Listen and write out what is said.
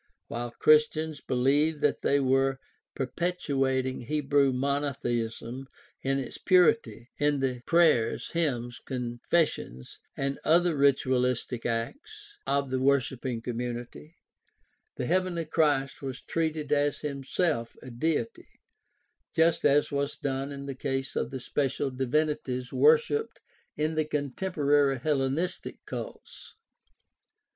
While Christians believed that they were perpetuating Hebrew monotheism in its purity, in the prayers, hymns, confessions, and other ritualistic acts of the worshiping community, the heavenly Christ was treated as himself a deity, just as was done in the case of the special divinities worshiped in the contemporary Hellenistic cults.